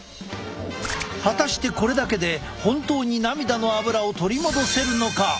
果たしてこれだけで本当に涙のアブラを取り戻せるのか！？